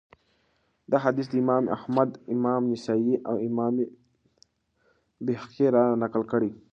دا حديث امام احمد امام نسائي، او امام بيهقي را نقل کړی